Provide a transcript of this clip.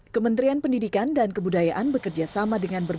kementerian pendidikan dan kebudayaan menyalurkan bantuan kuota data internet